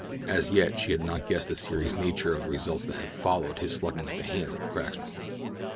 As yet she had not guessed the serious nature of the results that had followed his slugging at the hands of the cracksmen.